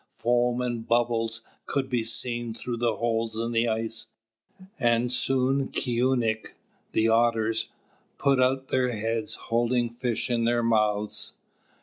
Foam and bubbles could be seen through the holes in the ice, and soon Kiūnik, the Otters, poked out their heads, holding fish in their mouths.